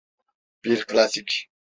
Bir klasik.